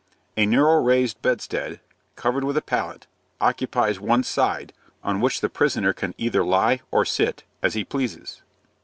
A narrow raised bedstead, covered with a pallet, occupies one side, on which the prisoner can either lie or sit, as he pleases.